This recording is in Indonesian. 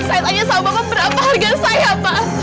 saya tanya sama bapak berapa harga saya pak